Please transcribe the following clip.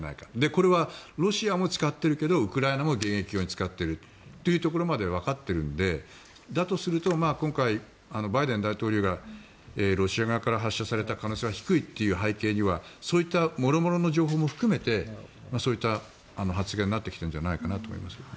これはロシアも使っているけどウクライナも迎撃用に使っているというところまでわかっているのでだとすると今回バイデン大統領がロシア側から発射された可能性は低いという背景にはそういったもろもろの情報も含めてそういった発言になってきているんじゃないかなと思います。